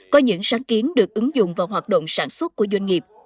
có những sáng kiến được ứng dụng vào hoạt động sản xuất của doanh nghiệp